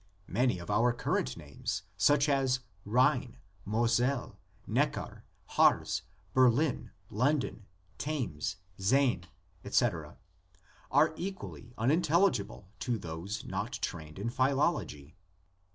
Many of our cur rent names such as Rhine, Moselle, Neckar, Harz, Berlin, London, Thames, Seine, etc., are equally unintelligible to those not trained in philology.